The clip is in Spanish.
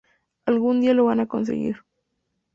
Algún día lo van a conseguir".